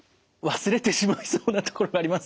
忘れてしまいそうなところがありますが。